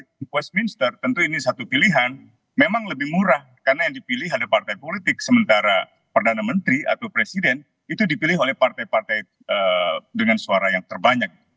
kalau westminster tentu ini satu pilihan memang lebih murah karena yang dipilih ada partai politik sementara perdana menteri atau presiden itu dipilih oleh partai partai dengan suara yang terbanyak